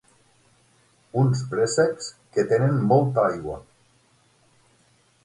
Uns préssecs que tenen molta aigua.